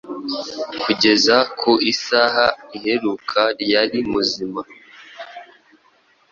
Kugeza ku isaha iheruka yari muzima